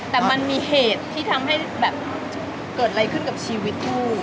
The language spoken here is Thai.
แต่มันมีเหตุที่ทำให้แบบเกิดอะไรขึ้นกับชีวิตคู่